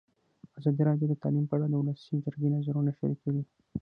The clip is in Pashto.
ازادي راډیو د تعلیم په اړه د ولسي جرګې نظرونه شریک کړي.